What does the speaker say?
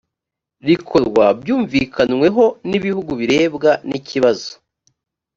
rikorwa byumvikanyweho n ibihugu birebwa n ikibazo